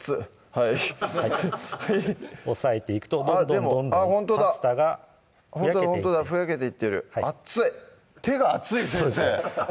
はい押さえていくとどんどんどんどんパスタがふやけていってほんとだふやけていってるあっつい手が熱い先生そうですね